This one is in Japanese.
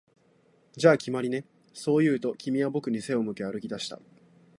「じゃあ、決まりね」、そう言うと、君は僕に背を向け歩き出した